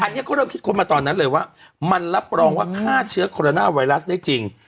อันนี้เขาเริ่มคิดค้นมาตอนนั้นเลยว่ามันรับรองว่าฆ่าเชื้อโคโรนาไวรัสได้จริง